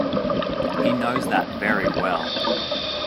He knows that very well.